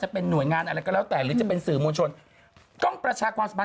เห็นนะฝันแบบนี้คือสาปกว่าไป